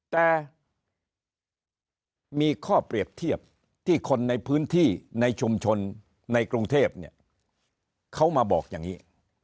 แต่มีข้อเปรียบเทียบที่คนในพื้นที่ในชุมชนในกรุงเทพเนี่ยเขามาบอกอย่างนี้